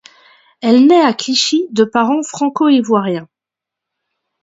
Elle naît à Clichy de parents franco-ivoiriens.